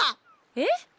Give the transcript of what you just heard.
えっ！？